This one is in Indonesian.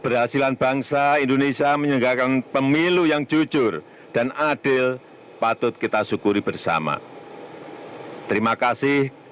dan kita juga ingin mengucapkan terima kasih